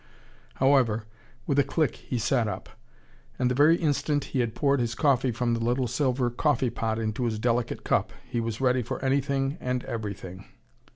However, with a click he sat up. And the very instant he had poured his coffee from the little silver coffee pot into his delicate cup, he was ready for anything and everything.